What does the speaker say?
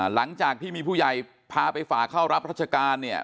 หลังจากที่มีผู้ใหญ่พาไปฝ่าเข้ารับราชการเนี่ย